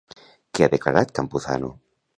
Què ha declarat Campuzano?